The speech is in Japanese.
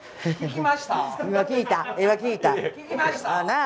聞きました？